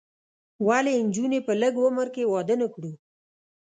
ولې نجونې په لږ عمر کې واده نه کړو؟